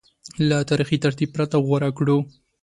له تاریخي ترتیب پرته غوره کړو